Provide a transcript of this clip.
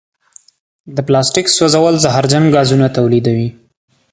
د پلاسټیک سوځول زهرجن ګازونه تولیدوي.